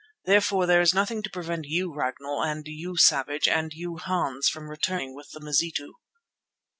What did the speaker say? Therefore there is nothing to prevent you Ragnall, and you Savage, and you Hans, from returning with the Mazitu."